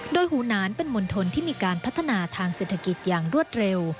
โดยหูนานเป็นมณฑลที่มีการพัฒนาทางเศรษฐกิจอย่างรวดเร็ว